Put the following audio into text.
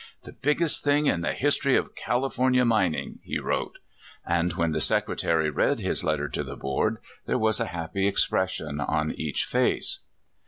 " The biggest thing in the history of California mining," he wrote; and when the secretary read his letter to the board, there was a happy expression on each face.